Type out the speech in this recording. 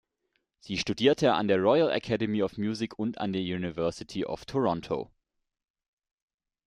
Sie studierte an der Royal Academy of Music und an der University of Toronto.